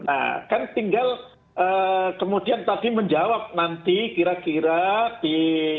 nah kan tinggal kemudian tadi menjawab nanti kira kira di